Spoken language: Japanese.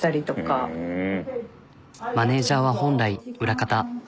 マネジャーは本来裏方。